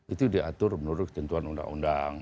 itu diatur menurut tentuan undang undang